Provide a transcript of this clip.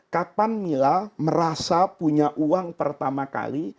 kapan mila merasa punya uang pertama kali